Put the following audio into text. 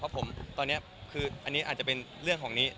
เพราะผมตอนนี้คืออันนี้อาจจะเป็นเรื่องของนี้